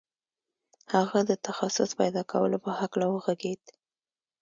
هغه د تخصص پیدا کولو په هکله وغږېد